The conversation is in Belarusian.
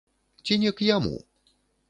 Ці не к яму?